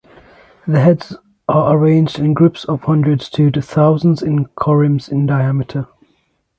The heads are arranged in groups of hundred to thousands in corymbs in diameter.